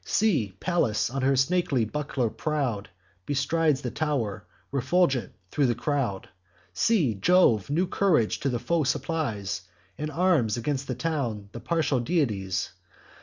See! Pallas, of her snaky buckler proud, Bestrides the tow'r, refulgent thro' the cloud: See! Jove new courage to the foe supplies, And arms against the town the partial deities.